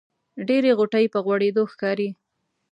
ډېرې غوټۍ په غوړېدو ښکاري.